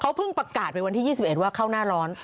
เขาเพิ่งประกาศไปวันที่๒๑ว่าเข้าหน้าร้อน